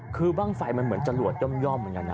คือบ้างไฟมันเหมือนจรวดย่อมเหมือนกันนะ